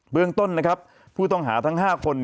เรื่องต้นนะครับผู้ต้องหาทั้ง๕คน